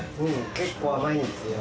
結構甘いんですよ。